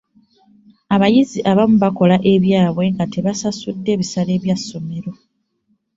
Abayizi abamu bakola ebyabwe nga tebasasudde bisale bya ssomero.